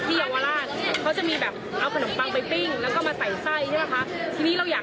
ใช้เต้าถ่านกับเต้าแก๊สใช่ไหมกับเต้าไฟฟ้า